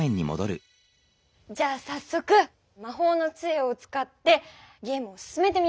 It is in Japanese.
じゃあさっそくまほうのつえを使ってゲームを進めてみよう。